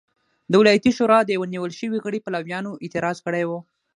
د ولایتي شورا د یوه نیول شوي غړي پلویانو اعتراض کړی و.